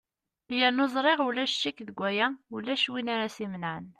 yernu ẓriɣ ulac ccek deg waya ulac win ara s-imenɛen